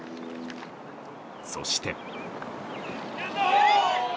そして。